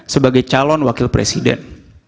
sebagai calon wakil presiden